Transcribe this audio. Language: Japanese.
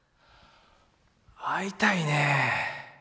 会いたいね。